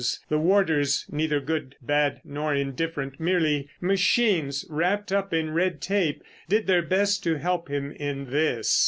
The warders, neither good, bad, nor indifferent, merely machines wrapped up in red tape, did their best to help him in this.